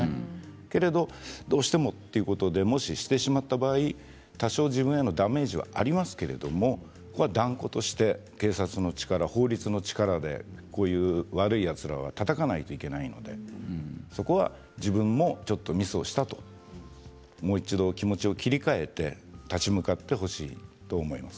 けれど、どうしてもということでしてしまった場合には多少、自分へのダメージはありますけれど警察の力法律の力で悪いやつらはたたかないといけないのでそこは自分もちょっとミスをしたともう一度、気持ちを切り替えて立ち向かってほしいと思います。